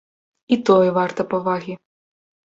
І тое варта павагі.